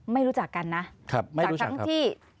ไม่รู้จักกันนะครับไม่รู้จักครับ